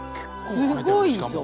すごいぞ。